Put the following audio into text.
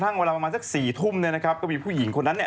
กลัวว่าผมจะต้องไปพูดให้ปากคำกับตำรวจยังไง